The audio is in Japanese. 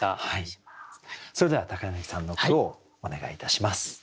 それでは柳さんの句をお願いいたします。